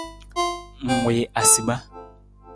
Ng wii asima.